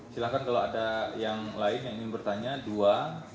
silahkan kalau ada yang lain yang ingin bertanya dua